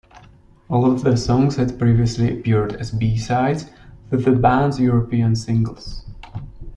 All of the songs had previously appeared as B-sides to the band's European singles.